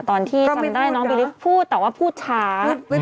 ตอนที่จำได้น้องบิลิฟต์พูดแต่ว่าพูดช้า